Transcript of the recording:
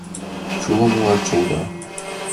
Чулым улат, чолга.